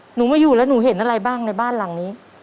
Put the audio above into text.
หนูมาอยู่แล้วหนูเห็นอะไรบ้างในบ้านหลังนี้